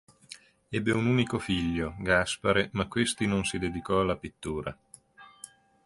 Ebbe un unico figlio, Gaspare, ma questi non si dedicò alla pittura.